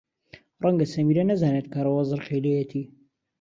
ڕەنگە سەمیرە نەزانێت کە ڕەوەز ڕقی لێیەتی.